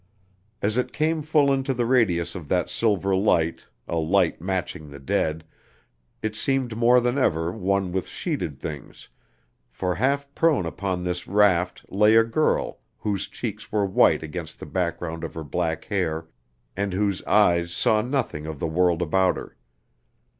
As it came full into the radius of that silver light (a light matching the dead) it seemed more than ever one with sheeted things, for half prone upon this raft lay a girl whose cheeks were white against the background of her black hair and whose eyes saw nothing of the world about her.